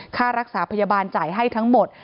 ค่ารักษาพยาบาลจ่ายให้ทั้งหมด